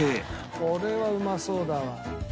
これはうまそうだわ。